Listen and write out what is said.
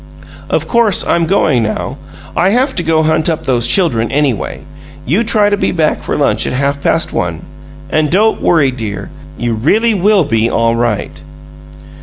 "Of course! I'm going now. I have to go hunt up those children, anyway. You try to be back for lunch at half past one and don't worry, dear; you really WILL be all right!"